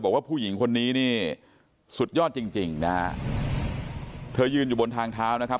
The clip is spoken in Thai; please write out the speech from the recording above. บอกว่าผู้หญิงคนนี้นี่สุดยอดจริงจริงนะฮะเธอยืนอยู่บนทางเท้านะครับ